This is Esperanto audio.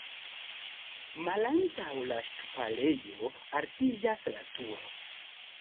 Malantaŭ la ŝtuparejo altiĝas la turo.